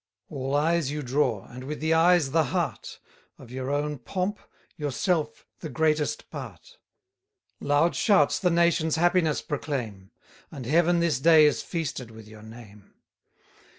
All eyes you draw, and with the eyes the heart: Of your own pomp, yourself the greatest part: Loud shouts the nation's happiness proclaim, And Heaven this day is feasted with your name.